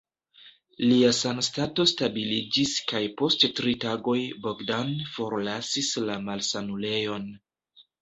Lia sanstato stabiliĝis kaj post tri tagoj Bogdan forlasis la malsanulejon.